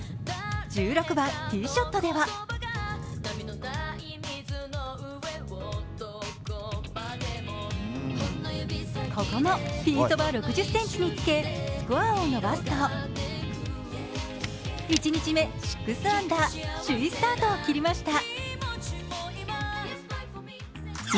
１６番ティーショットではここもピンそば６０ｃｍにつけスコアを伸ばすと１日目、６アンダー首位スタートを切りました。